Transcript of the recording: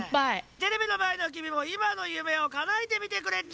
テレビのまえのきみもいまの夢をかなえてみてくれっち！